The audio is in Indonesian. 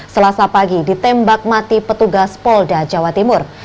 selasa pagi ditembak mati petugas polda jawa timur